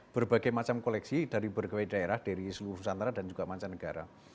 berbagai macam koleksi dari berbagai daerah dari seluruh nusantara dan juga mancanegara